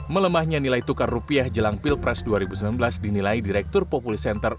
melemahnya nilai tukar rupiah jelang pilpres dua ribu sembilan belas dinilai direktur populi center